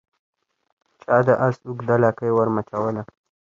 چا د آس اوږده لکۍ ور مچوله